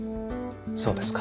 そうですか。